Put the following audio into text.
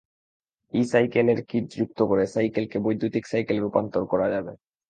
ই সাইকেলের কিট যুক্ত করে সাইকেলকে বৈদ্যুতিক সাইকেলে রূপান্তর করা যাবে।